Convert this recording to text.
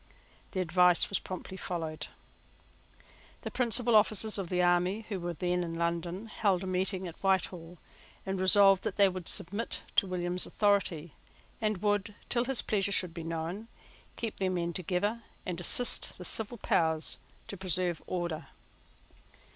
The advice was promptly followed. The principal officers of the army who were then in London held a meeting at Whitehall, and resolved that they would submit to William's authority, and would, till his pleasure should be known, keep their men together and assist the civil power to preserve order.